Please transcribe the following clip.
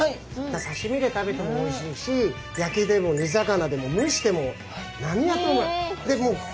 さしみで食べてもおいしいし焼きでも煮魚でも蒸しても何やってもうまい。